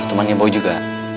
temannya boy juga